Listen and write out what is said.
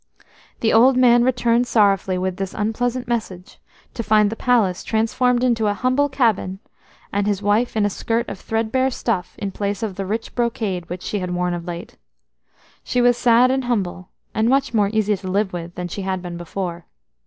The old man returned sorrowfully with this unpleasant message, to find the palace transformed into a humble cabin, and his wife in a skirt of threadbare stuff in place of the rich brocade which she had worn of late. She was sad and humble, and much more easy to live with than she had been before.